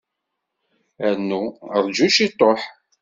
Rnu rju ciṭuḥ.